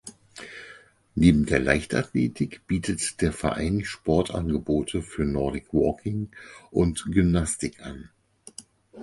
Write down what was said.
Neben der Leichtathletik bietet der Verein Sportangebote für Nordic Walking und Gymnastik an.